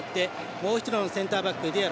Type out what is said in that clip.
もう一人のセンターバックディアロ。